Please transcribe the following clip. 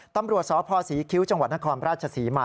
ตำรวจสพศรีคิ้วจังหวัดนครราชศรีมา